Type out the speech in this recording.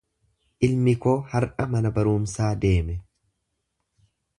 Ilmi koo har’a mana barumsaa deeme.